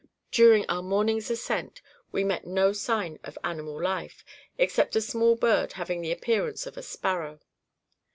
During our morning's ascent, we met no sign of animal life, except a small bird having the appearance of a sparrow.